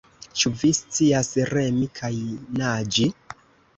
Ĉu vi scias remi kaj naĝi?